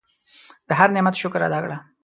د هر نعمت شکر ادا کړه.